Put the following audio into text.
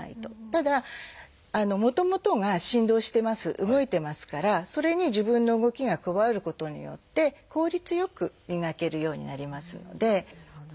ただもともとが振動してます動いてますからそれに自分の動きが加わることによって効率良く磨けるようになりますので。